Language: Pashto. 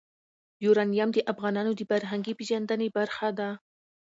یورانیم د افغانانو د فرهنګي پیژندنې برخه ده.